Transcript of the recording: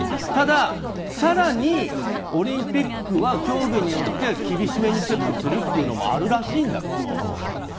ただ、更にオリンピックは競技によっては厳しめにチェックするというのはあるらしいんだけど。